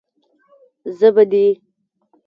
زه به دې.